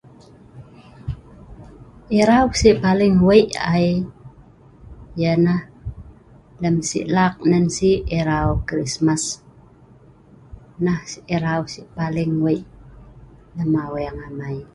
Erau si paling wei ai yah'nah lem si' laak nan'si erau Krismas nah erau si paling wei lem aweeng amai.